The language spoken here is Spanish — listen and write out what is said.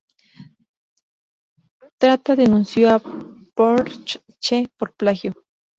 Tatra denunció a Porsche por plagio.